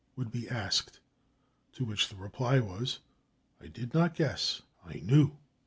would be asked. To which the reply was, "I did not guess I knew."